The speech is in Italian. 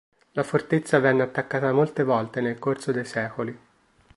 La fortezza venne attaccata molte volte nel corso dei secoli.